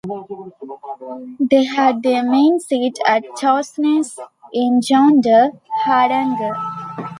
They had their main seat at Torsnes in Jondal, Hardanger.